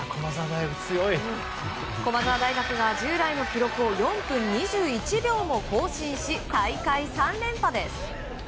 駒澤大学が、従来の記録を４分２１秒も更新し大会３連覇です！